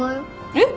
えっ？